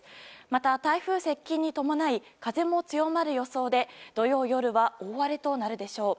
また台風接近に伴い風も強まる予想で土曜夜は大荒れとなるでしょう。